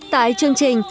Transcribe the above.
tại chương trình